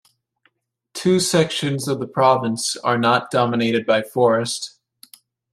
Two sections of the province are not dominated by forest.